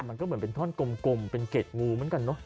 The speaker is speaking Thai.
มันก็เหมือนเป็นท่อนกลมเป็นเกร็ดงูเหมือนกันเนอะ